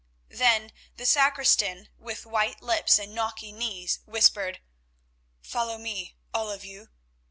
Then the sacristan, with white lips and knocking knees, whispered: "Follow me, all of you.